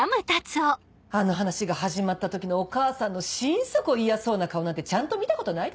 あの話が始まった時のお母さんの心底嫌そうな顔なんてちゃんと見たことないでしょ？